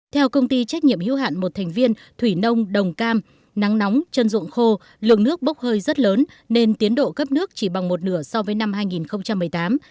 theo công ty trách nhiệm hữu hạn một thành viên thủy nông đồng cam nắng nóng chân ruộng khô lượng nước bốc hơi rất lớn nên tiến độ cấp nước chỉ bằng một nửa so với năm hai nghìn một mươi tám